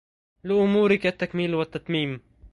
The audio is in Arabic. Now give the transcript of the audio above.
لأمورك التكميل والتتميم